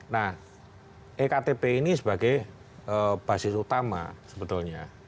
nah e ktp ini sebagai basis utama sebetulnya